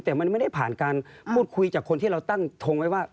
แต่มันไม่ได้ผ่านการพูดคุยจากคนที่เราตั้งทงไว้ว่า